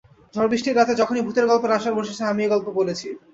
ঝড়বৃষ্টির রাতে যখনি ভূতের গল্পের আসর বসেছে, আমি এই গল্প বলেছি।